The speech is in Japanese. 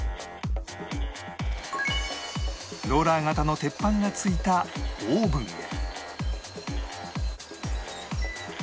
ローラー型の鉄板がついたオーブンへ